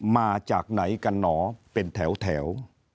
มาจากไหนกันหนอเป็นแถว